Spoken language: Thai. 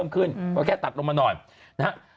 ก็แค่ตัดลงมาหน่อยนะฮะ